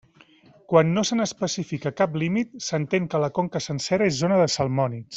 Quan no se n'especifica cap límit, s'entén que la conca sencera és zona de salmònids.